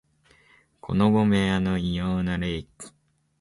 子供部屋の異様な冷気